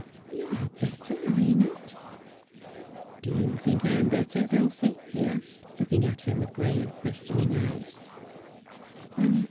' You are better, are you not 1 '' Do you think I am better, Dulcie ?' he asked, looking at her with grave, questioning eyes.